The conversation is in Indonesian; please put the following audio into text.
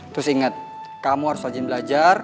terus inget kamu harus wajin belajar